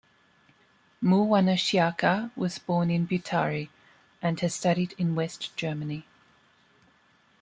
Murwanashyaka was born in Butare and has studied in West Germany.